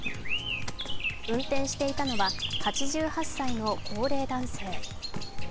運転していたのは８８歳の高齢男性。